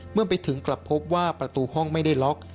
เมื่อไปถึงกลับพบว่าประตูห้องไม่ได้ล็อก